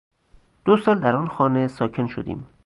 دو سال در آن خانه ساکن شدیم.